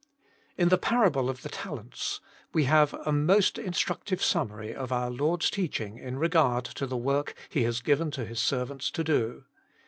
IN the parable of the talents we have a most instructive summary of our Lord's teaching in regard to the work He has given to His servants to do.